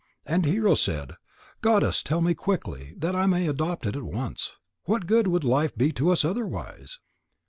And Hero said: "Goddess, tell me quickly, that I may adopt it at once. What good would life be to us otherwise?"